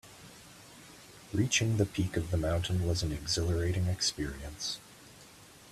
Reaching the peak of the mountain was an exhilarating experience.